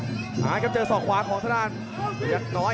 พยายามจะเน็ตที่สองขวาเหมือนกันครับพยายามน้อย